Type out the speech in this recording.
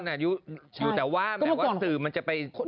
มาเจอเสียแว่นหัวร้อน